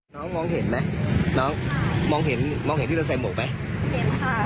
น้องมองเห็นไหมน้องมองเห็นที่เราใส่หมกไหม